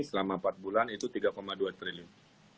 selama empat bulan itu tiga dua triliun